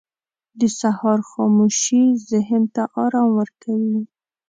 • د سهار خاموشي ذهن ته آرام ورکوي.